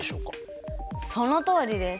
そのとおりです。